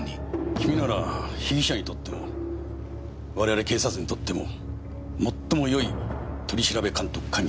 君なら被疑者にとっても我々警察にとっても最もよい取調監督官になれる。